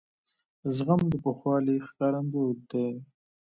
زغم د پوخوالي ښکارندوی دی.